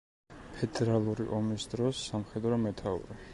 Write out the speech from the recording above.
ფედერალური ომის დროს სამხედრო მეთაური.